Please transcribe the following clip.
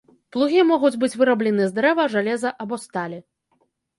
Плугі могуць быць выраблены з дрэва, жалеза або сталі.